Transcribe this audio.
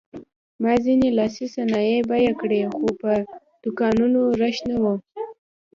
ما ځینې لاسي صنایع بیه کړې خو پر دوکانونو رش نه و.